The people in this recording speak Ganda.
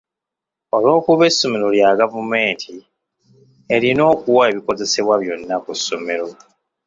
Olw'okuba essomero lya gavumenti, erina okuwa ebikozesebwa byonna ku ssomero.